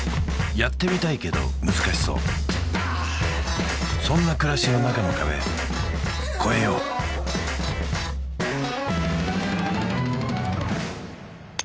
やってみたいけど難しそうそんな暮らしの中の壁越えよううん？